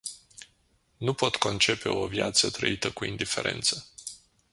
Nu pot concepe o viață trăită cu indiferență.